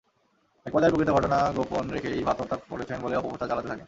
একপর্যায়ে প্রকৃত ঘটনা গোপন রেখে ইভা আত্মহত্যা করেছেন বলে অপপ্রচার চালাতে থাকেন।